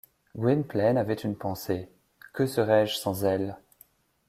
Gwynplaine avait une pensée: — Que serais-je sans elle?